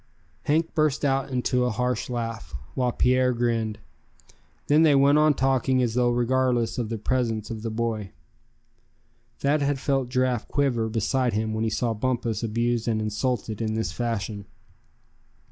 Hank burst out into a harsh laugh, while Pierre grinned. Then they went on talking as though regardless of the presence of the boy. Thad had felt Giraffe quiver beside him when he saw Bumpus abused and insulted in this fashion.